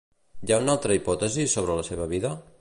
Hi ha una altra hipòtesi sobre la seva vida?